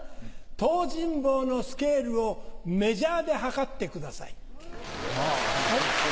東尋坊のスケールをメジャーで測ってください。